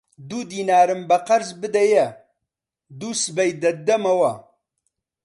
دوو دینارم بە قەرز بدەیە، دووسبەی دەتدەمەوە